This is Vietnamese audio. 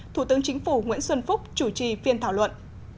thủ tướng chính phủ nguyễn xuân phúc chủ trì phiên thảo luận